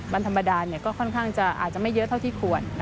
วันธรรมดาก็ค่อนข้างจะอาจจะไม่เยอะเท่าที่ควร